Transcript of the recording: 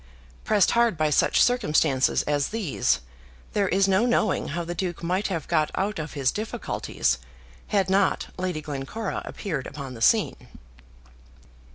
Pressed hard by such circumstances as these, there is no knowing how the Duke might have got out of his difficulties had not Lady Glencora appeared upon the scene.